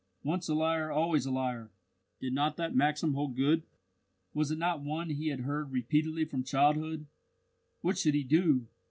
Once a liar always a liar! Did not that maxim hold good? Was it not one he had heard repeatedly from childhood? What should he do?